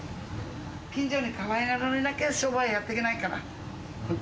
近所にかわいがられなきゃ、商売やってけないから、本当。